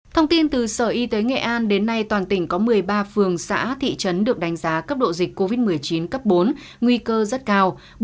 thông tin từ sở y tế nghệ an đến nay toàn tỉnh có một mươi ba phường xã thị trấn được đánh giá cấp độ dịch covid một mươi chín cấp bốn nguy cơ rất cao